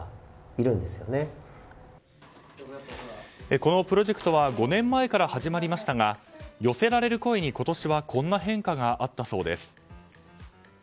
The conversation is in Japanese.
このプロジェクトは５年前から始まりましたが寄せられる声に、今年はこんな変化があったそうです。